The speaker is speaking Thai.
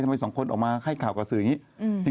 ทำไมสองคนออกมาให้ข่าวกับสื่ออย่างนี้